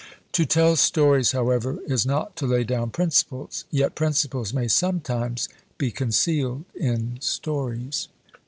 To tell stories, however, is not to lay down principles, yet principles may sometimes be concealed in stories.